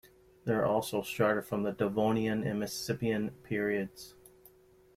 There are also strata from the Devonian, and Mississippian periods.